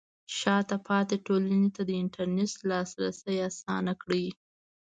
شاته پاتې ټولنې ته د انټرنیټ لاسرسی اسانه کړئ.